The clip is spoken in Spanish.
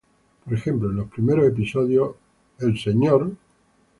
Por ejemplo, en los primeros episodios Mr.